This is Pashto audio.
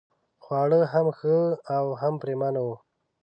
خواړه هم ښه او هم پرېمانه وو.